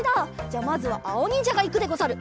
じゃまずはあおにんじゃがいくでござる。